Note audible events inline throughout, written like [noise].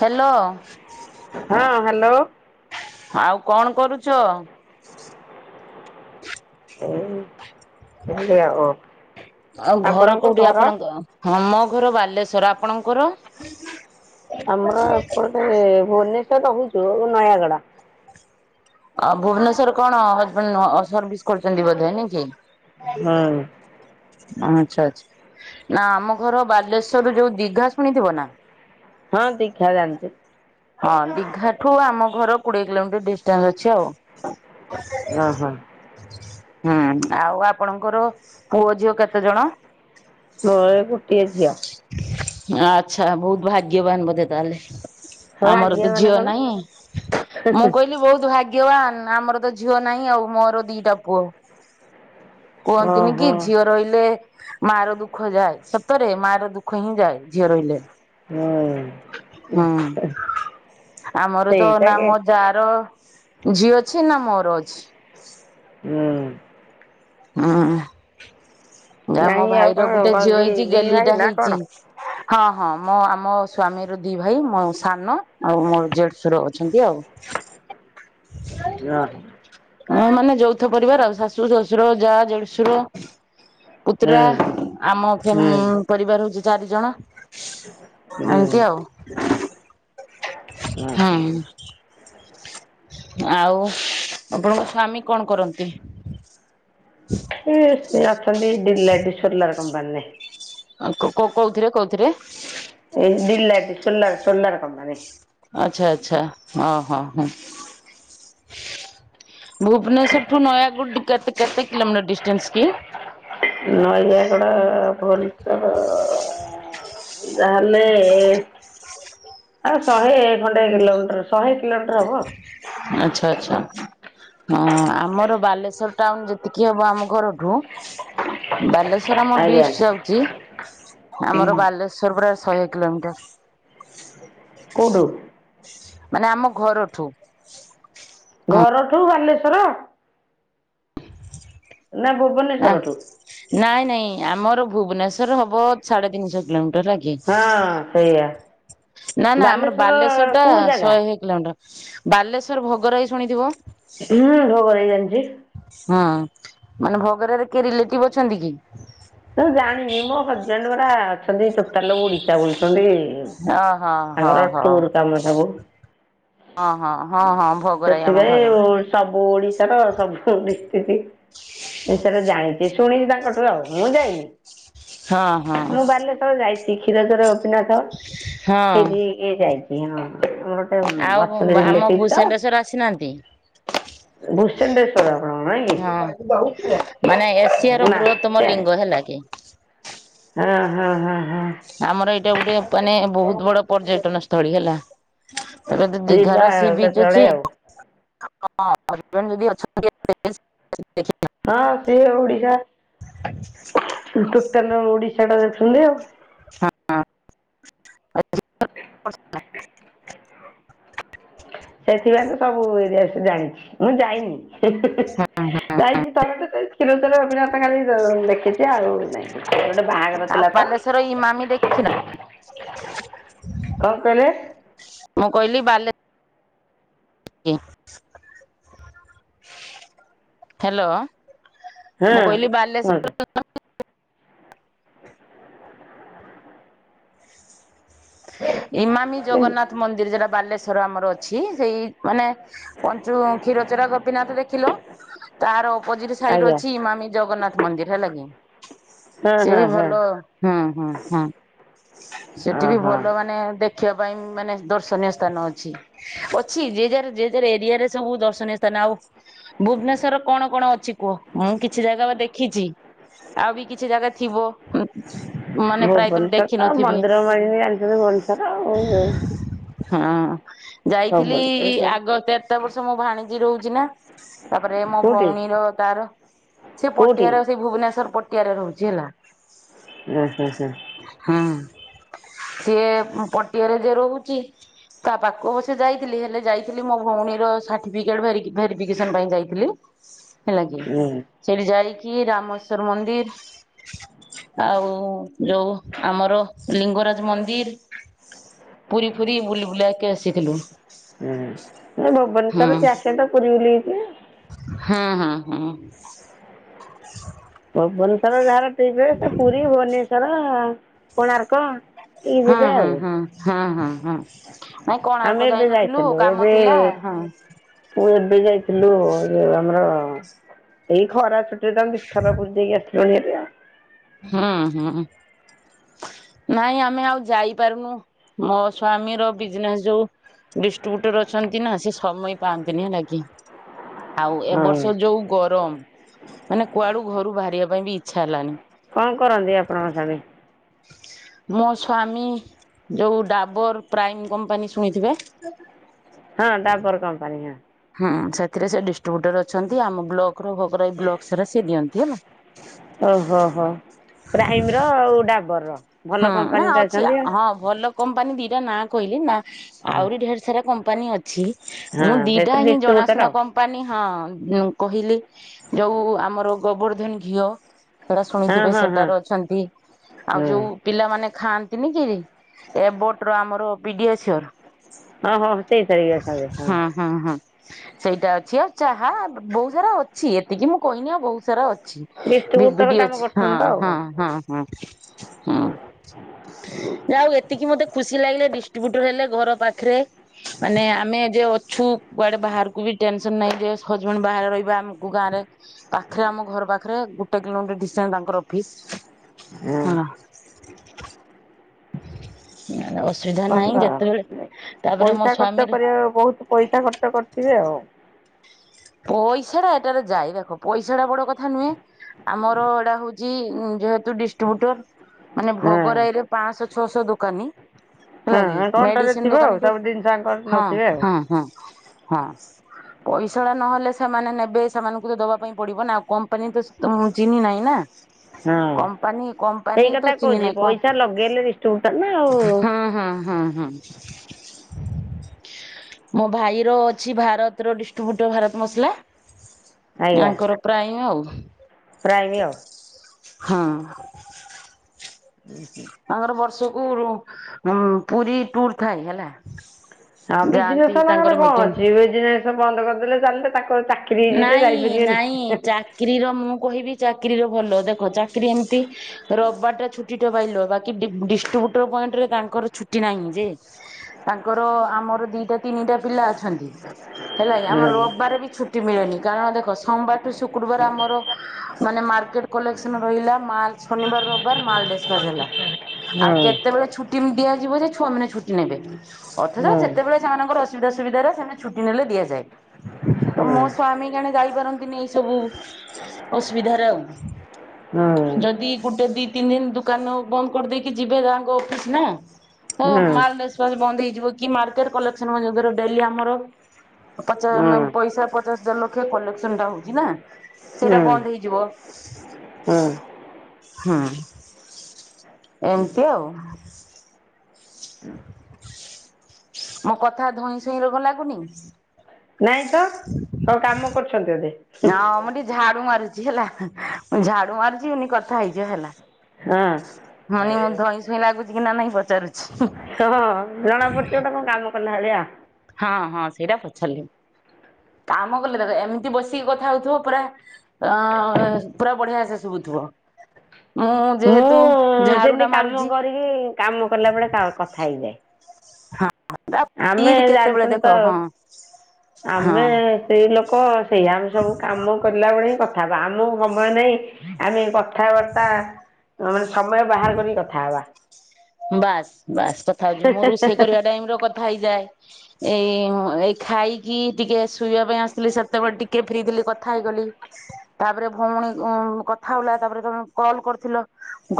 Hello! ହଁ, hello! ଆଉ କଣ କରୁଛ? ଏଇ ଥିଲି ଆଉ। ଆଉ ଘର କୋଉଠି ଆପଣଙ୍କ ହଁ ମୋ ଘର ବାଲେଶ୍ଵର, ଆପଣଙ୍କର? ଆମର ଏପଟେ ଭୁବନେଶ୍ଵରରେ ରହୁଛୁ ନୟାଗଡ଼। ଆ ଭୁବନେଶ୍ଵର କଣ ହଜବେଣ୍ଟ୍ ଅ ସର୍ଭିସ କରୁଛନ୍ତି ବୋଧେ ନାଇ କି? ହୁଁ। ଆଚ୍ଛା ଆଚ୍ଛା ନା ଆମ ଘର ବାଲେଶ୍ଵରରୁୁ ଯୋଉ ଦିଘା ଶୁଣିଥିବ ନା। ହଁ ଦୀଘା ଜାଣିଛି। ହଁ ଦିଘା ଠୁ ଆମ ଘର କୋଡିଏ କିଲୋମିଟର ଡିଷ୍ଟାନ୍ସ ଅଛି ଆଉ। ହୁଁ ହୁଁ। ହୁଁ ଆଉ ଆପଣଙ୍କର ପୁଅ ଝିଅ କେତେ ଜଣ? ମୋର ଗୋଟିଏ ଝିଅ। ଆଛା ବହୁତ ଭାଗ୍ୟବାନ ବୋଧେ ତାହେଲେ। ଆଉ ଆମର ଭାଗ୍ୟ ତ ମାନେ ଝିଅ କଣ? ନାହିଁ ମୁଁ କହିଲି ବହୁତ ଭାଗ୍ୟ। ଗ୍ୟବାନ୍ ଆମର ତ ଝିଅ ନାହିଁ ଆଉ ମୋର ଦିଟା ପୁଅ। କୁହନ୍ତିନି କି ଓହୋ ଝିଅ ରହିଲେ ମା ର ଦୁଃଖ ଯାଏ ସତରେ ମା ର ଦୁଃଖ ଦୁଃଖ ହିଁ ଯାଏ ଝିଅ ରହିଲେ। ହୁଁ। ହୁଁ ଆମର ତ ସେଇଟା ନା କେ ମୋ ଯାର ଝିଅ ଅଛି ନା ମୋର ଅଛି। ହଁ। ହୁଁ। ଯା ମୋ ନାଇଁ ଆଉ ଭାଇ କଣ ର ଗୋଟେ କଣ ଝିଅ ଦି ହେଇଛି ଦି ଭାଇ ଗେଲିଟା ନା କଣ? ହେଇଛି। ହଁ ହଁ ମୋ ଆମ ସ୍ଵାମୀର ଦି ଭାଇ ମୋ ସାନ ଆଉ ମୋର ଦେଢଶୁର ଅଛନ୍ତି, ଆଉ। [unintelligible] [unintelligible] ହଁ ମାନେ ଯୌଥ ପରିବାର ଆଉ ଶାଶୁ ଶ୍ୱଶୁର ଯା ଦେଢ଼ଶୁର। ପୁତୁରା ହୁଁ ଆମ ଫ୍ୟା ହୁଁ ପରିବାର ହଉଛି ଚାରି ଜଣ। ଏମତି ଆଉ। ହୁଁ ଓହୋ। ଆଉ ଆପଣଙ୍କ ସ୍ଵାମୀ କଣ କରନ୍ତି? ଏ ସେ ଅଛନ୍ତି ଡିଲେଡ଼ିସୋଲାର କମ୍ପାନୀରେ। ଆ କୋ-କୋଉଥିରେ କୋଉଥିରେ? ଏ ଡ଼ିଲେ ସୋଲାର ସୋଲାର କମ୍ପାନୀ। ଆଚ୍ଛା ଆଚ୍ଛା ହଁ ହଁ ହଁ। ଭୁବନେଶ୍ଵର ଠୁ ନୟାଗୁଡ କେଟେ କେତେ କିଲୋମିଟର ଡିଷ୍ଟାନ୍ସ କି? ନୟୟାଗଡ଼ ଭନେଶ୍ୱର ଯାହେଲେ ଆଉ ଶହେ ଖଣ୍ଡେ କିଲୋମିଟର ଶହେ କିଲୋମିଟର ହବ। ଆଚ୍ଛା ଆଚ୍ଛା। ହଁ ଆମର ବାଲେଶ୍ଵର ଟାଉନ ଯେତିକି ହବ ଆମ ଘରଠୁ ବାଲେଶ୍ ଥର ଆମେ ଆଜ୍ଞା ଡ଼ିସ ଯାଉଛି ଆମର ହୁଁ। ବାଲେଶ୍ୱର ପୁରା ଶହେ କିଲୋମିଟର। କୁଉଠୁ? ମାନେ ଆମ ଘରଠୁ। ଘରଠୁ ବାଲେଶ୍ଵର। ନା ନା ଭୁବନେଶ୍ଵରଠୁ ନାଇଁ ନାଇଁ ଆମର ଭୁବନେଶ୍ଵର ହବ ସାଢେ ତିନିଶହ କିଲୋମି ହଁ ସେଇଆ। ନା ନା ଆମର ବାଲେଶ୍ଵର ବାଲେଶ୍ଵରଟା କୋଉ ଜାଗା ଶହେ କିଲୋମିଟର ବାଲେଶ୍ଵର ଭୋଗରାଇ ଶୁଣିଥିବ। ହୁଁ ଭବରାଇ ଜାଣିଛି। ହୁଁ ମାନେ ଭଗରାଇରେ କିଏ ରିଲେଟିଭ ଅଛନ୍ତି କି? ମୁଁ ଜାଣିନି ମୋ ହଜବେଣ୍ଡ ପରା ଅଛନ୍ତି ଟୋଟାଲ ଓଡିଶା ବୁଲୁଛନ୍ତି। ହଁ ହଁ ତାଙ୍କର ହଁ ହଁ ଟୁର୍ କାମ ସବୁ ହଁ ହଁ। ହଁ ହଁ ଭୋଗରାଇ ଆମ ଘର। ଓଡିଶାର ସବୁ ଡିଷ୍ଟିକ। ଏ ସେଟା ଜାଣିଛି ଶୁଣିଲି ତାଙ୍କ ଠୁ ଆଉ ମୁଁ ଯାଇନି। ହଁ ହଁ ମୁଁ ବାଲେଶ୍ଵର ଯାଇଛି କ୍ଷୀରଚୋର ଗୋପିନାଥ ହଁ ସେଠି ଇ କି ଯାଇଛି କିଅ ଆମର ଗୋଟେ ଅଛନ୍ତି ରିଲେଟିଭ ତ। ଣାନ୍ତି ଭୂଷେଣ୍ଡେଶ୍ଵର। ହଁ ମାନେ ଏସିଆ କି ର ନା ବୃହତମ ସିଆଡ଼େ ଲିଙ୍ଗ ହେଲା କି? ହଁ ହଁ ହଁ। ହଁ ଆମର ଏଇଟା ଗୋଟେ ମାନେ ବହୁତ ବଡ ପର୍ଯ୍ୟଟନ ସ୍ଥଳୀ ହେଲା। ତା ତ ଯିବା ଦିଘାର ସି ବିଚ୍ ଅଛି। କେତେବେଳେ ଆଉ ହଁ ହଜବେଣ୍ଟ ଯଦି ଅଛନ୍ତି ହଁ ସେ ଓଡିଶା ଟୋଟାଲ ଓଡିଶା ଟା ଦେ ହେଲି ଆଉ। ହଁ ଆ [unintelligible] ସେଥିପାଇଁ ତ ସବୁ ଏରିଆ ବିଷୟରେ ଜାଣିଛି ମୁଁ ଯାଇନି। ହି ହିଁ ହିଁ ଦେଖିନାହାନ୍ତି ଯାଇଛି ଥର ଟେ କ୍ଷୀରଚୋରା ଗୋପୀନାଥ ଖାଲି ଦେଖିଛି ଆଉ। ଗୋଟେ ବାହାଘର ଆଉ ଥିଲା ତ। ବାଲେଶ୍ଵର ଇମାମି ଦେଖିନାହାନ୍ତି କଣ କହିଲେ? ମୁଁ କହିଲି ଵାଲେ କି ହ୍ୟାଲୋ। ହଁ ମୁଁ କହିଲି ବାଲେଶ୍ଵର କୁହନ୍ତୁ। ଇମାମି ଜଗନ୍ନାଥ ମନ୍ଦିରି ଯଟା ବାଲେଶ୍ଵର ଆମର ଅଛି। ସେଇ ମାନେ ପଞ୍ଚୁ କ୍ଷୀରଚୋରା ଗୋପୀନାଥ ଦେଖିଲୁ ତାର ଅପୋଜିଟ ସାଇଡ୍ ଆଜ୍ଞା ଅଛି ଇମାମାମି ଜଗନ୍ନାଥ ମନ୍ଦିର ହେଲା କି। ହଁ ସେ ହଁ ବି ହଁ ଭଲ ହୁଁ ହୁଁ ହୁଁ ସେଠି ବି ଓହୋ ଭଲ ମାନେ ଦେଖିବା ପାଇଁ ମାନେ ଦର୍ଶନୀୟ ସ୍ଥାନ ଅଛି। ଅଛି ଯେ ଯାର ଯେ ଯାର ଏରିଆ ରେ ସବୁ ଦଶ ସ୍ଥାନ ଆଉ ଭୁବନେଶ୍ଵର କଣ କଣ ଅଛି କୁହ ମୁଁ କିଛି ଜାଗା ବା ଦେଖିଛି। ଆଉ ବି କିଛି ଜାଗା ଥିବ। ମାନେ ପ୍ରାୟତଃ ଭୁବନେଶ୍ୱର ଦେଖିନଥିବେ ମନ୍ଦିର ମାଲିନି ଜାଣିଥିବେ ଭୋନଶ୍ୱର୍ ଆଉ ହଁ ଯାଇଥିଲି ଭୁବନେଶ୍ୱର ଆଗ ତେରଟା ବର୍ଷ ମୁଁ ଭାଣିଜିୀ ରହୁଛି ନା । ତାପରେ ମୋ କୋଉଠି ଭଉଣୀର ତାର ସେ କୋଉଠି ପଟିଆର ସେ ଭୁବନେଶ୍ଵର ପଟି ଟିଆରେ ରହୁଛି ହେଲା । ଏ ହଁ ହଁ। ସିଏ ପଟିଆରେ ଯେ ରହୁଛି ତା ପାଖକୁ ଅବସ୍ୟ ଯାଇଥିଲି ହେଲେ ଯାଇଥିଲି ମୋ ଭଉଣୀର ସାର୍ଟିଫିକେଟ ଭେରିଗି ଭେରିଫିକେସନ ପାଇଁ ଯାଇଥିଲି । ହେଲା କି ହୁଁ ସେଇଠି ଯାଇକି ରାମେଶ୍ଵର ମନ୍ଦିରି ଆଉ ଯୋଉ ଆମର ଲିଙ୍ଗରାଜ ମନ୍ଦିର ପୁରୀ ଫୁରୀ ବୁଲି ବୁଲାକି ଆସିଥିଲୁ। ହୁଁ ହଁ ଭୁବନେଶ୍ୱର ଯିଏ ଆସିଏ ତ ପୁରି ବୁଲିକି ଯିବେ। ହୁଁ। ଭୁବନେଶ୍ୱର ଯାହାର ଥିବେ ସେ ପୁରୀ ଭୁବନେଶ୍ଵର କୋଣାର୍କ ଏଇ ହଁ ଯିବେ ହଁ ଆଉ ହଁ ହଁ ହଁ ହଁ । ନାଇଁ କୋଣାର୍କ ଆମେ ଏବେ ଯାଇନଥିଲୁ ଯାଇଥିଲୁ କାମ ଏବେ ଥିଲା ହଁ । ମୁଁ ଏବେ ଯାଇଥିଲୁ ଇଏ ଆମର ଏଇ ଖରା ଛୁଟିରେ ତ ଆମେ ଦିଥର ପୁରି ଯାଇକି ଆସିଲୁଣି ହେରି ଆଉ। ହୁଁ ହୁଁ। ନାଇଁ ଆମେ ଆଉ ଯାଇପାରୁନୁ ମୋ ସ୍ଵାମୀର ବିଜନେସ ଯୋଉ । ଡିଷ୍ଟ୍ରୁବ୍ୟୁଟର ଅଛନ୍ତି ନା ସେ ସମୟ ପାଆନ୍ତିନି ହେଲା କି । ଆଉ ଏବ ହଁ ବର୍ଷ ଯୋଉ ଗରମ ମାନେ କୁଆଡୁ ଘରୁ ବାହାରିବା ପାଇଁ ବି ଇଚ୍ଛା ହେଲାନି । କଣ କରନ୍ତି କି ଆପଣଙ୍କ ସ୍ୱାମୀ? [inaudible] ମୋ ସ୍ଵାମୀ ଯୋଉ ଡାବର ପ୍ରାଇମ କମ୍ପାନୀ ଶୁଣିଥିବେ ହଁ ଡାବର କମ୍ପାନୀ। ହୁଁ ସେଥିରେ ସେ ଡିଷ୍ଟ୍ରିବ୍ୟୁଟର ଅଛନ୍ତି ଆମ ବ୍ଲକର ଭୋଗରାଇ ବ୍ଲକ ସାରା ସେ ଦିଅନ୍ତି ହେଲା। ଓହୋ ହୋ ପ୍ରାଇମର ଆଉ ଡାବରର। ଭଲ ହଁ ନା କମ୍ପାନୀରେ ଅଛି ଅଛନ୍ତି ଆଉ ହଁ ଭଲ କମ୍ପାନୀ ଦିଟା ନାଁ କହିଲି ନା ଆହୁରି ଢେର ସାରା କମ ଛି ହଁ ମୁଁ ଦିଟା ସେଥିରେ ହିଁ ଡିଷ୍ଟ୍ରିବ୍ୟୁଟର୍ ଜଣାଶୁଣା ଆଉ କମ୍ପାନୀ ହଁ କହିଲି ଯୋଉ ଆମର ଗୋବର୍ଦ୍ଧନି ଘିଅ ସେଟା ହଁ ଶୁଣିଥିବେ ହଁ ହଁ ସେଟାରେ ଅଛନ୍ତି ଆଉ ଯୋଉ ହଁ ମାନେ ଖାଆନ୍ତିନି କି ଏ ବୋଟ ର ଆମର ପିଡିଏଚର୍। ହଁ ହଁ ସେଇ [unintelligible] ହଁ। ସେଇଟା ଅଛି ଆ ଚାହା ବହୁତ ସାରା ଅଛି ଏତିକି ମୁଁ କହିନି ଆଉ ବହୁତ ସାରା ଡିଷ୍ଟ୍ରିବ୍ୟୁଟର୍ ବିବିଡି କାମ ଅଛି ହଁ କରୁଛନ୍ତି ତ ଆଉ ହଁ କ'ଣ ହଁ ହଁ। ହୁଁ ଆଉ ଏତିକି ମତେ ଖୁସି ଲାଗିଲେ ଡିଷ୍ଟ୍ରିବ୍ୟୁଟର ହେଲେ ଘର ପାଖରେ । ମାନେ ଆମେ ଯେଓ ଛୁ କୁଆଡେ ବାହାରକୁ ବି ଟେନସନ ନାଇଁ ହଜବେଣ୍ଡ ବାହାରେ ରହିବା ଆମକୁ ଗାଁରେ ପାଖରେ ଆମଘର ପାଖରେ ଗୋଟେ କିଲୋମିଟର ଡିଷ୍ଟାନ୍ସ ତାଙ୍କର ଅଫିସ ହଁ। ଆର ବର୍ଷ ଅସୁବିଧା ନାହିଁ ଭଲ ଯେତେବେଳେ ତାପରେ ମୋ ପଇସା ଖର୍ଚ୍ଚ ସ୍ଵାମୀ କରିବା ବହୁତ ପଇସା ଖର୍ଚ୍ଚ କରିଥିବେ ଆଉ। ପଇସା ରା ଏଟାରେ ଯାଇ ଦେଖ ପଇସା ଟା ବଡ କଥା ନୁହେଁ । ଆମର ଏଇଟା ହଉଛି ଯେହେତୁ ଡିଷ୍ଟ୍ରିବ୍ୟୁଟର ମାନେ ହଁ ଭୋଗରାରେ ପାଂଶ ଛଅଶ ଦୋକାନୀ । ହଁ ହେଲା କି ଆକାଉଣ୍ଟରେ ମେଡିସିନ ଥିବ ଆଉ ଦୋକାନୀ ଯୋଉ ସବୁ ଜିନିଷ ଆଙ୍କର ହଁ ନଉଥିବେ ଆଉ ହଁ ହଁ। ହଁ। ସେଉଡା ନହେଲେ ସେମାନେ ନେବେ ସେମାନଙ୍କୁ ତ ଦବା ପାଇଁ ପଡିବ ନାଉ କମ୍ପାନୀ ତ ଚିହ୍ନି ନାହିଁ ନା। ହଁ। କମ୍ପାନୀ ସେଇ କମ୍ପାନୀ କଥା ତ ଚିହ୍ନି କହୁଛି ନାହିଁ କ ପଇସା ଲଗେଇଲେ ଡିଷ୍ଟ୍ରିବ୍ୟୁଟର ନା ଆଉ। ହଁ ହଁ। ହଁ ହଁ ହଁ। ମୋ ଭାଇର ଅଛି ଭାରତର ଡିଷ୍ଟ୍ରିବ୍ୟୁଟର ଭାରତ ମସଲା। ଆଙ୍କର ପ୍ରାଇମ ଆଉ। ପ୍ରାଇମି ଆଉ। ହଁ। ଉୁଁ ହୁଁ। ଆମର ବର୍ଷକୁ ପୁରୀ ଟୁର ଥାଏ ହେଲା। ହଁ ଯାଆନ୍ତି ବିଜନେସଙ୍କର ତାଙ୍କର କଣ ମିଟିଂ ଅଛି ବିଜନେସ ବନ୍ଦ କରିଦେଲେ ଚାଲଲେ। ନାଇଁ ନାଇଁ ଚାକିରିର ମୁଁ କହିବି ଚାକିରିର ଭଲ ଦେଖ ଚାକିରି ଏମତି ରବାରଟା ଛୁଟିଟେ ପାଇଲ ବାକି ଡି ଡିଷ୍ଟ୍ରୁବୁଟେଡ ଫ ରେ ତାଙ୍କର ଛୁଟି ନାହିଁ ଯେ ତାଙ୍କର ଆମର ଦିଟା ତିନିଟା ପିଲା ଅଛନ୍ତି ହେଲା ହୁଁ ଆମର ରବିବାର ବି ଛୁ ମିିଳେନି କାରଣ ଦେଖ ସୋମବାର ଠୁ ଶୁକ୍ରବାର ଆମର ମାନେ ଆମର ମାର୍କେଟ କଲେକସନ ରହିଲା ମାଲ ଶନିବାର ରବିବାର ମାଲ ଦେଷ୍ଟରାଜ ହେଲା। ଆଉ ହୁଁ କେତେବେଳେ ଛୁଟି ଦିଆଯିବ ଯେ ଛୁଆ ମାନେ ଛୁଟି ନେବେ। ଅଥଚ ହୁଁ ସେତେବେଳେ ସେମାନଙ୍କର ଅସୁବିଧା ସୁବିଧାରେ ସେମାନେ ଛୁଟି ନେଲେ ଦିଆଯାଏ। ତ ହୁଁ। ମୋ ସ୍ଵାମୀ କେଣେ ଯାଇପାରନ୍ତିନି ଏଇ ସବୁ ଅସୁବିଧାରେ ଆଉ। ହୁଁ ଯଦି ଗୋଟେ ଦି ତିନି ଦିନ ଦୋକାନ ବନ୍ଦ କରିଦେଇକି ଯିବେ ତାଙ୍କ ଅଫିସ ନା ତ ହୁଁ ମାଲ ଡେସ ବନ୍ଦ ହେଇଯିବ କି ମାର୍କେଟ କଲେକ୍ସନ ବାଗାର ଡେଲି ଆମର ପଚା ହୁଁ ମ୍ୟାମ ପଇସା ପଚାଶ ଲକ୍ଷ କଲେକ୍ସନ ଟା ହଉଛି ନା ସେଇଟା ବନ୍ଦ ହେଇଯିବ। ହଁ। ହଁ। ଏମତି ଆଉ। ମୋ କଥା ଧଇଁ ସଇଁ ରୋଗ ଲାଗୁନି? ନାଇଁ ତ କଣ କାମ କରୁଛନ୍ତି ବୋଧେ। ହଁ ମୁଁ ଟିକେ ଝାଡୁ ମାରୁଛି ହେଲା ମୁ ଝାଡୁ ମାରିଛି ଏନି କଥା ହେଇଯିବା ହେଲା। ହଁ। ମାନେ ମୁଁ ଧଇଁସଇଁ ଲାଗୁଛି କି ନା ନାଇଁ ପଚାରୁଛି। ହଁ ଜଣା ପଡୁଛି ଗୋଟେ କଣ କାମ କଲା ଭଳିଆ। ହଁ ହଁ ସେଇଟା ପଚାରିଲି। କାମ କଲେ ଦେଖ ଏମିତି ବସିକି କଥା ହଉଥିବ ପୁରା ଅ ପୁରା ବଢିଆ ସେ ଶୁଭୁଥିବ। ହ। ମୁଁ ସେମିତି କାମ କରିକି କାମ କଲା ବେଳେ କା କଥା ହେଇଯାଏ। ଆମେ ହଁ କେତେବେଳେ ଜାଣିଛନ୍ତି ଦେଖ ହଁ ତ। ଆମେ ହଁ ସେଇ ଲୋକ ସେଇଆ ଆମେ ସବୁ କାମ କିରିଲା ହିଁ ବେଳେ କଥା କଥା ହେବା ଆମକୁ ସମୟ ନହିଁ ଆମେ କଥା କଥାବାର୍ତ୍ତା ମାନେ ସମୟ ବାହାର କରିକି କଥା ହବା। ବାସ୍ ବାସ୍ କଥା ହଉଛି ମୁଁ ରୁଷେଇ କରିବା ଟାଇମ ର କଥା ହେଇଯାଏ ଏଇ ଏଇ ଖାଇକି ଟିକେ ଶୋଇବା ପାଇଁ ଆସିଥିଲି ସେତେବେଳେ ଟିକେ ଫ୍ରି ଥିଲି କଥା ହେଇଗଲି ତାପରେ ଭଉଣୀ କଥା ହେଲା ତାପରେ ତମେ କଲ୍ କରିଥିଲ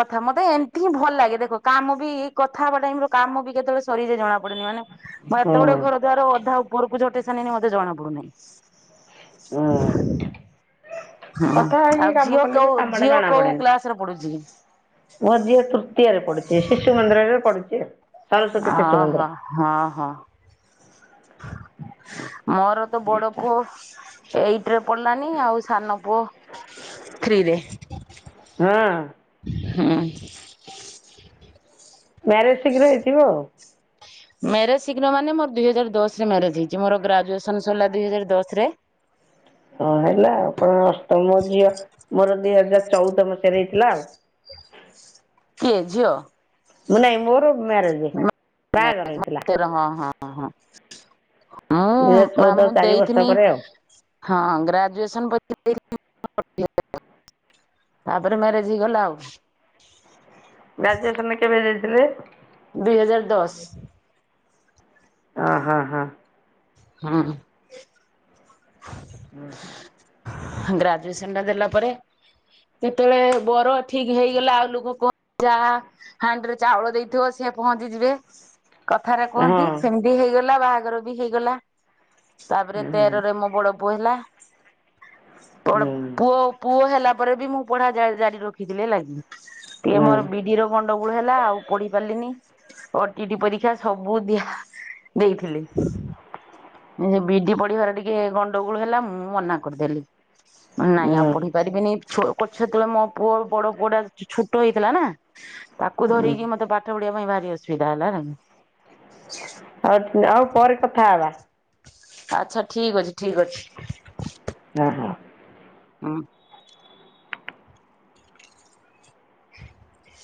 କଥା ମତେ ଏମିତି ହିଁ ଭଲ ଲାଗେ ଦେଖ କାମ ବି କଥା ହେବା ଟାଇମ ର କାମ ବି କେତେବେଳେ ସରିଯାଏ ଜଣା ପଡେନି ମାନେ ମୁଁ ଏତେ ହୁଁ ଗୁଡେ ଘର ଦୁଆର ଅଧା ଉପରକୁ ଝଟେଇ ସାରିଲିଣି ମତେ ଜଣାପଡୁନି। ହୁଁ [inaudible] କଥା ହେଇକି କାମ କଲେ ବି କାମ ଟା ଝିଅ ଜଣା କୋଉ ପଡେନି। କ୍ଲାସ ରେ ପଢୁଛି? ମୋଝିଅ ତୃତୀୟରେ ପଢୁଛି ଶିଶୁ ମନ୍ଦିରରେ ପଢୁଛି ଆଉ। ସରସ୍ୱତୀ ଶିଶୁ ମନ୍ଦିର ଓହୋ ହଁ ହଁ। [inaudible] ମୋର ତ ବଡ ପୁଅ ଏଇଟରେ ପଡିଲାନି ଆଉ ସାନ ପୁଅ ଥ୍ରୀ ରେ। ହଁ ହୁଁ। ମ୍ୟାରେଜ ଶୀଘ୍ର ହେଇଥିବ ଆଉ। ମ୍ୟାରେଜ ଶୀଘ୍ର ମାନେ ମୋର ଦୁଇହଜାର ଦଶରେ ମ୍ୟାରେଜ୍ ହେଇଛି ମୋର ଗ୍ରାଜୁଏ ସନ ସରିଲା ଦୁଇ ହଜାର ଦଶରେ। ହଁ ହେଲା ଆପଣ ଅସ୍ତ ମୋ ଝିଅ ମୋର ଦିଇ ହଜାର ଚଉଦ ମସିହାରେ ହେଇଥିଲା ଆଉ। କିଏ ଝିଅ ମୁ ନାଇ ମୋର ମ୍ୟାରେଜ ବାଗର ତେର ହଁ ହଁ ହଁ ମୁଁ ଦୁଇ ହଜାର ମା ଚଉଦ ମୁଁ ଚାରି ବର୍ଷ ଦେଇଥିନି ପରେ ଆଉ। ହଁ ଗ୍ରାଜୁଏସନ ପ ତାପରେ ମ୍ୟାରେଜ ହେଇଗଲା ଆଉ। ଗ୍ରାଜୁଏସନରେ କେବେ ଦେଇଥିଲେ? ଦୁଇ ହଜାର ଦଶ। ହ ହ ହଁ ହୁଁ ହୁଁ ହୁଁ ଗ୍ରାଜୁଏସନ ଟା ଦେଲା ପରେ କେତେବେଳେ ବର ଠିକ ହେଇଗଲା ଆଉ ଲୋକ କହ ଯାହା ହାଣ୍ଡିରେ ଚାଉଳ ଦେଇଥିବ ସେ ପହଞ୍ଚିଯିବେ କଥାରେ କୁହନ୍ତି ହଁ। ସେମିତି ହେଇଗଲା ବାହାଘର ବି ହେଇଗଲା। ତାପରେ ହୁଁ ତେରରେ ହୁଁ ମୋ ବଡ ପୁଅ ହେଲା। କଣ ପୁଅ ପୁଅ ହେଲା ପରେ ବି ମୁଁ ପଢା ଜାରି ରଖିଥିଲି ହେଲାକି ଟିକେ ହୁଁ ମୋର ବିଡିର ଗଣ୍ଡଗୋଳ ହେଲା ଆଉ ପଢି ପାରିଲିନି। ଓଟିଟି ପରୀକ୍ଷା ସବୁ ଦିଆ ଦେଇଥିଲି। ବିଡି ପଢିବାର ଟିକେ ଗଣ୍ଡଗୋଳ ହେଲା ମୁଁ ମନା କ କରିଦେଲି ନାଇଁ ଆଉ ହୁଁ ପଢି ପାରିବିନି। [inaudible] ମୋ ପୁଅ ବଡ ପୁଅ ଟା ଛୋଟ ହେଇଥିଲା ନାଁ। ତାକୁ ହୁଁ। ଧରିକି ମତେ ପାଠ ପଢିବା ପାଇଁ ଭାରି ଅସୁବିଧା ହେଲା ନା। ହଉ ଆଉ ପରେ କଥା ହବା ଆଛା ଠିକ ଅଛି ଠିକ ଅଛି। ହଁ ହଁ। ଉ। [unintelligible]